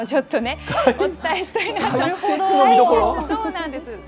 そうなんです。